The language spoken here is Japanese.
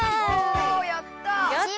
おやった！